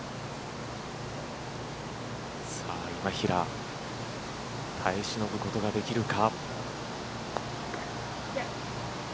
今平耐え忍ぶことができるか。